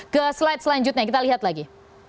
ke slide selanjutnya kita lihat lagi